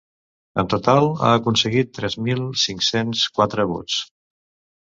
En total, ha aconseguit tres mil cinc-cents quatre vots.